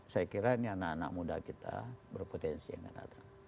saya kira ini anak anak muda kita berpotensi yang akan datang